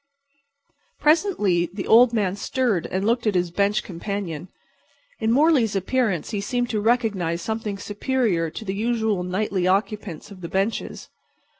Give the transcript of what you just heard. Presently the old man stirred and looked at his bench companion. In Morley's appearance he seemed to recognize something superior to the usual nightly occupants of the benches.